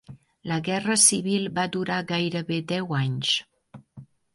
La guerra civil va durar gairebé deu anys.